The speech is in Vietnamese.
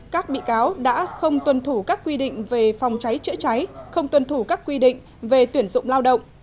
các bị cáo đã không tuân thủ các quy định về phòng cháy chữa cháy không tuân thủ các quy định về tuyển dụng lao động